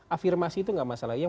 afirmasi itu gak masalah